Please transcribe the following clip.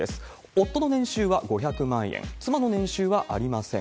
夫の年収は５００万円、妻の年収はありません。